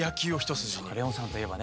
そうかレオンさんといえばね